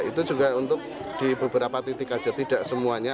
itu juga untuk di beberapa titik saja tidak semuanya